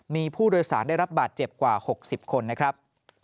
มีผู้โดยสารได้รับบาดเจ็บกว่า๖๐คนนะครับ